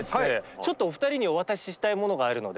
ちょっとお二人にお渡ししたいものがあるので。